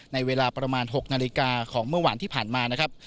ในเวลาประมาณ๖นาฬิกาของเมื่อวานที่ผ่านมานะครับ